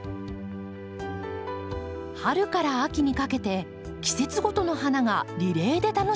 春から秋にかけて季節ごとの花がリレーで楽しめる庭。